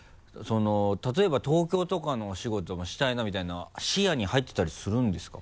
例えば「東京とかのお仕事もしたいな」みたいな視野に入ってたりするんですか？